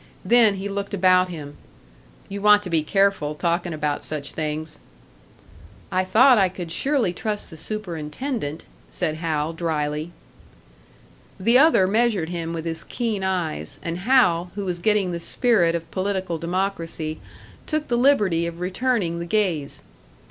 Then he looked about him. "You want to be careful, talking about such things." "I thought I could surely trust the superintendent," said Hal, drily. The other measured him with his keen eyes; and Hal, who was getting the spirit of political democracy, took the liberty of returning the gaze.